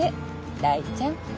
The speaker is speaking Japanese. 大ちゃん。